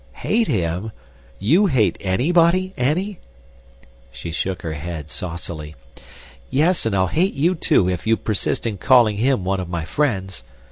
"Hate him! YOU hate anybody, Annie?" She shook her head saucily. "Yes, and I'll hate you, too, if you persist in calling him one of my friends.